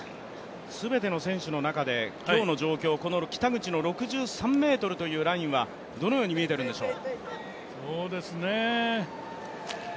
全ての選手の中で今日の状況、北口の６３ｍというラインはどのように見えてるんでしょう。